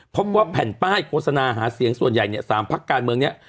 เพราะว่าแผ่นป้ายโฆษณาหาเสียงส่วนใหญ่๓ภาคการเมืองนี้